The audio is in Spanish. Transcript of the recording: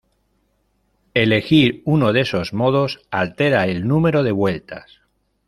Elegir uno de esos modos altera el número de vueltas.